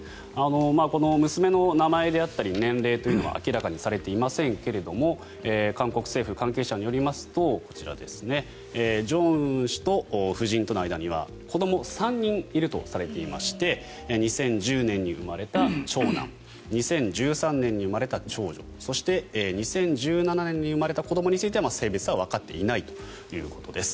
娘の名前であったり年齢というのは明らかにされていませんが韓国政府関係者によるとこちら、正恩氏と夫人との間には子どもが３人いるとされていまして２０１０年に生まれた長男２０１３年に生まれた長女そして２０１７年に生まれた子どもについては性別はわかっていないということです。